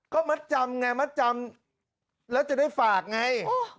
ก็มัดจำไงมัดจำแล้วจะได้ฝากไง